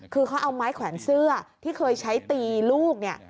คือเขาเอาไม้แขวนเสื้อที่เคยใช้ตีลูกเนี่ย